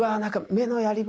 目のやり場が！」